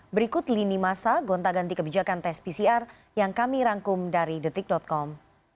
berikut lini masa gonta ganti kebijakan tes pcr yang kami rangkum dari detik com